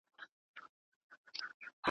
ژوند مي جهاني له نن سبا تمه شلولې ده ,